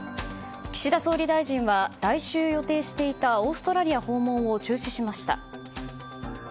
岸田総理大臣は来週予定していたオーストラリア訪問を中止しました。